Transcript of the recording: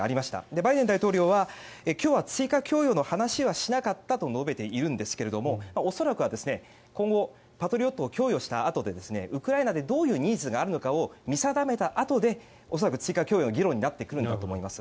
バイデン大統領は今日は追加供与の話はしなかったと述べているんですが恐らくは今後パトリオットを供与したあとでウクライナでどういうニーズがあるのかを見定めたあとで恐らく追加供与の議論になってくるんだと思います。